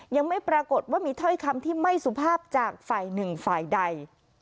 ยังไม่ปรากฏว่ามีถ้อยคำที่ไม่สุภาพจากฝ่ายหนึ่งฝ่ายใด